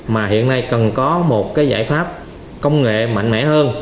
mà hiện nay cần có một giải pháp công nghệ mạnh mẽ hơn